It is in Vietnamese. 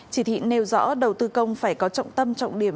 chỉ thị nêu rõ đầu tư công phải có trọng tâm trọng điểm